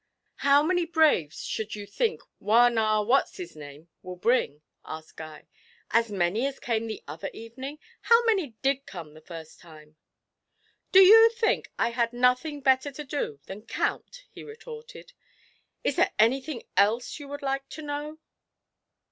'How many braves should you think Wah Na What's his name will bring?' asked Guy. 'As many as came the other evening? How many did come the first time?' 'Do you think I had nothing better to do than count?' he retorted. 'Is there anything else you would like to know?'